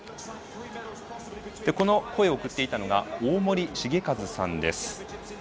この声を送っていたのが大森盛一さんです。